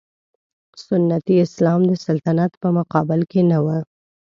سنتي اسلام د سلطنت په مقابل کې نه و.